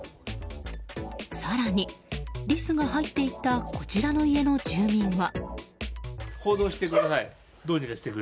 更にリスが入っていったこちらの家の住民は。